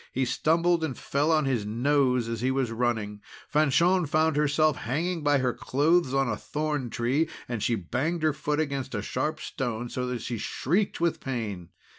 He stumbled and fell on his nose as he was running. Fanchon found herself hanging by her clothes on a thorn tree, and she banged her foot against a sharp stone so that she shrieked with pain.